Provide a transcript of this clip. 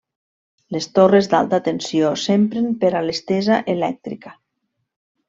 Les torres d'alta tensió s'empren per a l'estesa elèctrica.